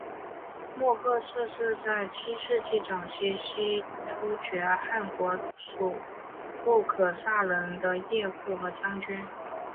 莫贺设是在七世纪早期西突厥汗国属部可萨人的叶护和将军。